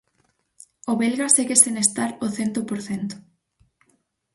O belga segue sen estar ao cento por cento.